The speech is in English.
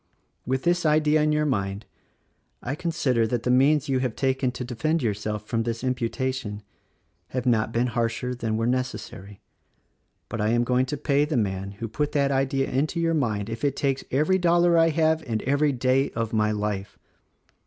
With this idea in your mind, I consider that the means you have taken to defend yourself from this imputation, have not been harsher than were necessary; but I am going to pay the man who put that idea into your mind if it takes every dollar I have and every day of my life.